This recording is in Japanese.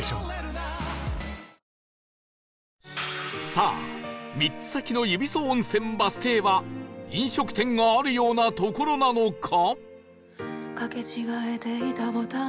さあ３つ先のゆびそ温泉バス停は飲食店があるような所なのか？